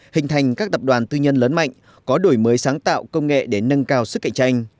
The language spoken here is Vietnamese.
hình thành các tập đoàn tư nhân lớn mạnh có đổi mới sáng tạo công nghệ để nâng cao sức cạnh tranh